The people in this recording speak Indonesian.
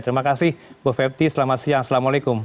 terima kasih bu fepti selamat siang assalamualaikum